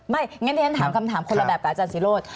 ไม่อย่างนั้นถามคำถามคนละแบบกับอาจารย์ศิรษฐ์